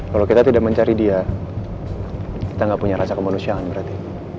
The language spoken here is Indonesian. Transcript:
kalau kita tidak mencari dia kita nggak punya rasa kemanusiaan berarti